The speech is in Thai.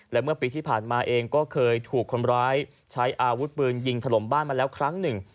และเมื่อปีที่ผ่านมาเองก็เคยถูกคนร้ายใช้อาวุธปืนยิงถล่มบ้านมาแล้วครั้งหนึ่ง